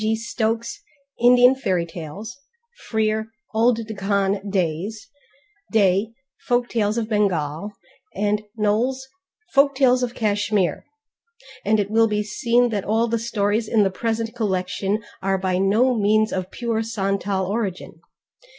g._ Stokes, Indian Fairy Tales; Frere, Old Deccan Days; Day, Folk Tales of Bengal; and Knowles' Folk Tales of Kashmir, and it will be seen that all the stories in the present collection are by no means of pure Santal origin.